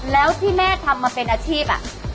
แล้วที่แม่ทำมาเป็นอาชีพ